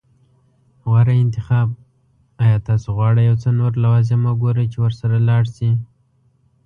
غوره انتخاب. ایا تاسو غواړئ یو څه نور لوازم وګورئ چې ورسره لاړ شئ؟